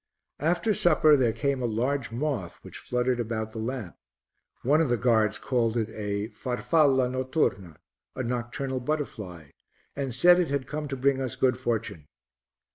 After supper there came a large moth which fluttered about the lamp; one of the guards called it a "farfalla notturna," a nocturnal butterfly, and said it had come to bring us good fortune.